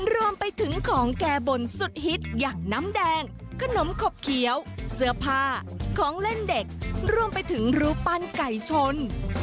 รวมไปถึงของแก้บนสุดฮิตอย่างน้ำแดงขนมขบเขียวเสื้อผ้าของเล่นเด็กรวมไปถึงรูปปั้นไก่ชน